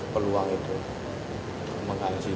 peluang itu menghasilkan